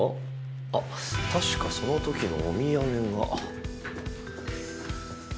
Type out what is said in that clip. あっ確かその時のお土産が。